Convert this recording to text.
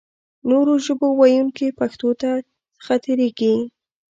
نورو ژبو ویونکي پښتو څخه تېرېږي.